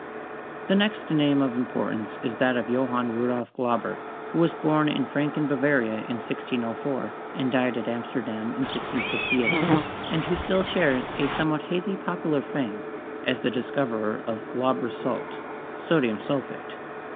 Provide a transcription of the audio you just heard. The next name of importance is that of Johann Rudolf Glauber, who was born in Franken, Bavaria, in 1604, and died at Amsterdam in 1668, and who still shares a some what hazy popular fame as the discoverer of "Glauber's salt" (sodium sulphate).